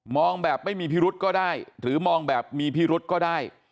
แบบไม่มีพิรุษก็ได้หรือมองแบบมีพิรุษก็ได้